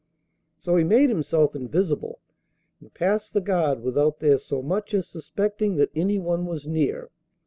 So he made himself invisible, and passed the guard without their so much as suspecting that anyone was near.